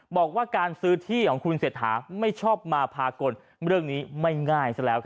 บอกว่าการซื้อที่ของคุณเศรษฐาไม่ชอบมาพากลเรื่องนี้ไม่ง่ายซะแล้ว